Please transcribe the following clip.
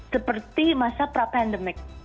seperti masa pra pandemic